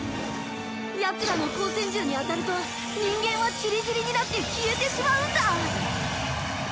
ヤツらの光線銃に当たると人間は散り散りになって消えてしまうんだ。